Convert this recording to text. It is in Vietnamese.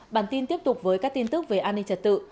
bản tin tiếp tục với các tin tức về an ninh trật tự